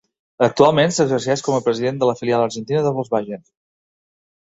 Actualment s'exerceix com a president de la filial argentina de Volkswagen.